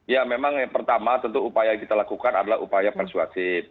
ya memang yang pertama tentu upaya kita lakukan adalah upaya persuasi